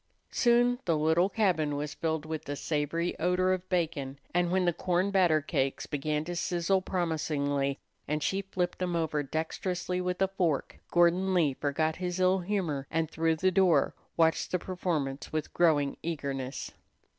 Soon the little cabin was filled with the savory odor of bacon, and when the corn battercakes began to sizzle promisingly, and she flipped them over dexterously with a fork, Gordon Lee forgot his ill humor, and through the door watched the performance with growing eagerness.